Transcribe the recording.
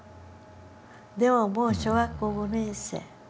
でももう小学校５年生。